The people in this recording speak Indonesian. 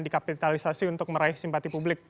dikapitalisasi untuk meraih simpati publik